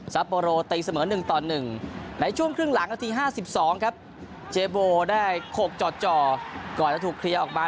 โบโรตีเสมอ๑ต่อ๑ในช่วงครึ่งหลังนาที๕๒ครับเจโบได้๖จ่อก่อนจะถูกเคลียร์ออกมา